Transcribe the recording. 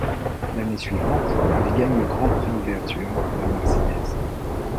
L'année suivante, il gagne le Grand Prix d'ouverture La Marseillaise.